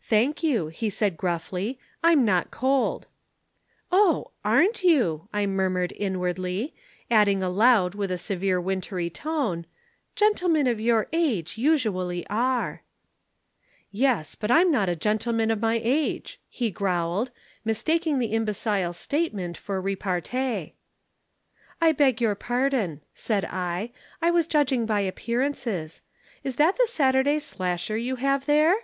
"'Thank you,' he said gruffly, 'I'm not cold.' "'Oh, aren't you!' I murmured inwardly, adding aloud with a severe wintry tone, 'Gentlemen of your age usually are.' "'Yes, but I'm not a gentleman of my age,' he growled, mistaking the imbecile statement for repartee. "'I beg your pardon,' said I. 'I was judging by appearances. Is that the Saturday Slasher you have there?'